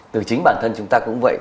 từ chính bản thân chúng ta cũng vậy